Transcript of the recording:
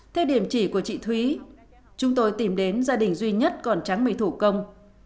theo điểm chỉ của chị thúy chúng tôi tìm đến gia đình duy nhất còn tráng mì thủ công